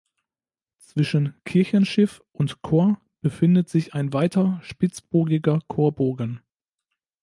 Zwischen Kirchenschiff und Chor befindet sich ein weiter spitzbogiger Chorbogen.